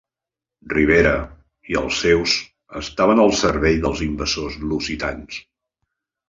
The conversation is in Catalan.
Rivera i els seus estaven al servei dels invasors lusitans.